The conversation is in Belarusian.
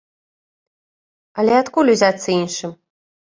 Але адкуль узяцца іншым?